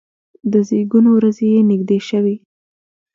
د زیږون ورځې یې نږدې شوې.